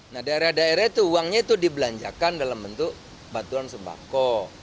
nah daerah daerah itu uangnya itu dibelanjakan dalam bentuk bantuan sembako